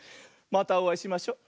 またおあいしましょ。